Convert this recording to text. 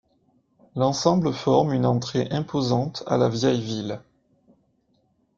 L'ensemble forme une entrée imposante à la vieille ville.